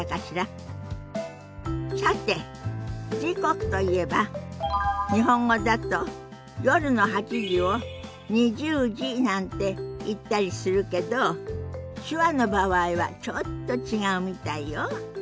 さて時刻といえば日本語だと夜の８時を２０時なんて言ったりするけど手話の場合はちょっと違うみたいよ。